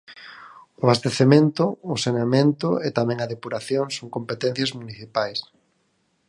O abastecemento, o saneamento e tamén a depuración son competencias municipais.